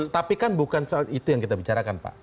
tapi kan bukan soal itu yang kita bicarakan pak